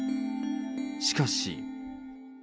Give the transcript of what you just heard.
しかし。